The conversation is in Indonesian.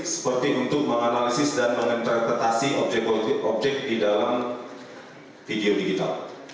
seperti untuk menganalisis dan mengerjakan objek objek didalam video